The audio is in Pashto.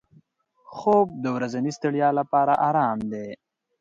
خوب د ورځني ستړیا لپاره آرام دی